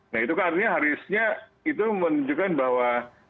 nah itu artinya harusnya itu menunjukkan bahwa